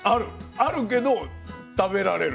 あるけど食べられる。